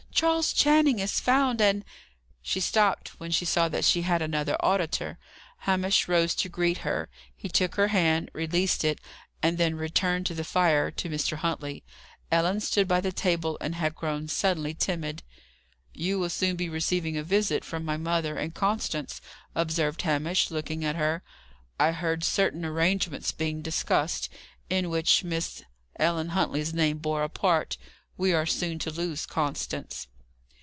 Charles Channing is found, and " She stopped when she saw that she had another auditor. Hamish rose to greet her. He took her hand, released it, and then returned to the fire to Mr. Huntley. Ellen stood by the table, and had grown suddenly timid. "You will soon be receiving a visit from my mother and Constance," observed Hamish, looking at her. "I heard certain arrangements being discussed, in which Miss Ellen Huntley's name bore a part. We are soon to lose Constance."